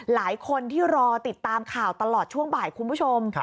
หลายคนที่รอติดตามข่าวตลอดช่วงบ่ายคุณผู้ชม